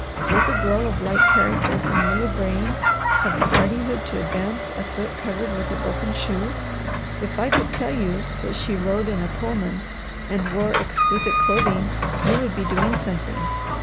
Does a girl of light character and little brain have the hardihood to advance a foot covered with a broken shoe? If I could tell you that she rode in a Pullman, and wore exquisite clothing, you would be doing something.